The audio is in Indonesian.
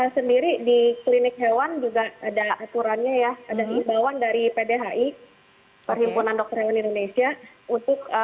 sendiri di klinik hewan juga ada aturannya ya ada imbauan dari pdhi perhimpunan dokter hewan indonesia untuk